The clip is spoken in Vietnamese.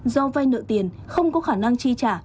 do vay nợ tiền không có khả năng chi trả